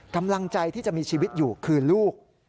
กำลังใจที่จะมีชีวิตอยู่คือลูก